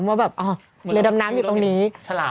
ว่าแบบเรือดำน้ำอยู่ตรงนี้